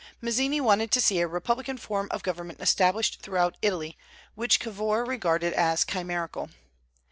Mazzini wanted to see a republican form of government established throughout Italy, which Cavour regarded as chimerical.